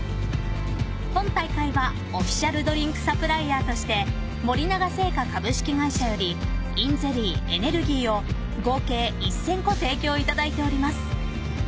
今大会はオフィシャルドリンクサプライヤーとして森永製菓株式会社よりｉｎゼリーエネルギーを合計１０００個提供いただいております。